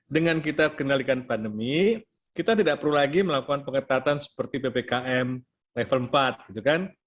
dengan kita kendalikan pandemi kita tidak perlu lagi melakukan pengetatan seperti ppkm level empat gitu kan